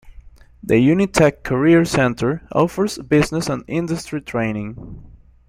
The Unitec Career Center offers business and industry training.